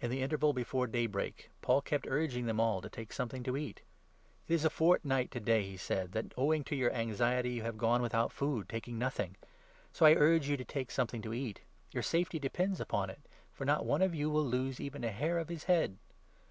In the interval before daybreak 33 Paul kept urging them all to take something to eat. , j "It is a fortnight to day," he said, "that, owing to your anxiety, you have gone without food, taking nothing. So 34 I urge you to take something to eat ; your safety depends upon it, for not one of you will lose even a hair of his head."